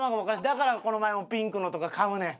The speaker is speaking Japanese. だからこの前もピンクのとか買うねん。